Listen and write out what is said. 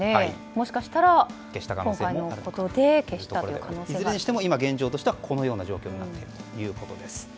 もしかしたらいずれにしても今現状はこのような状況になっているということです。